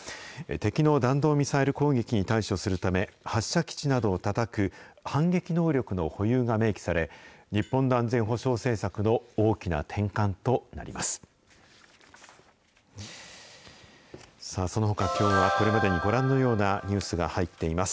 敵の弾道ミサイル攻撃に対処するため、発射基地などをたたく反撃能力の保有が明記され、日本の安全保障政策の大きな転換となります。